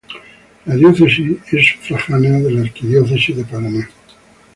La diócesis es sufragánea de la Arquidiócesis de Paraná.